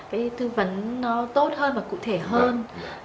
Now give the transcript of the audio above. cái tư vấn nó tốt hơn và cụ thể hơn